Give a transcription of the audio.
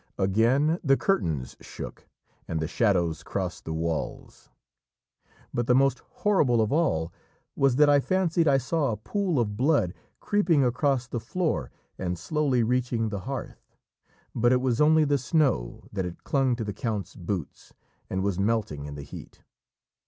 Again the curtains shook and the shadows crossed the walls; but the most horrible of all was that I fancied I saw a pool of blood creeping across the floor and slowly reaching the hearth. But it was only the snow that had clung to the count's boots, and was melting in the heat.